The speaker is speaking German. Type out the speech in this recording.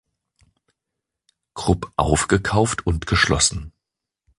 Krupp aufgekauft und geschlossen.